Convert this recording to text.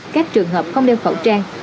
các trường hợp không đeo khẩu trang